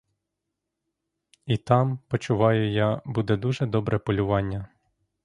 І там, почуваю я, буде дуже добре полювання.